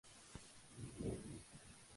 Flores grandes, solitarias, terminales o axiales.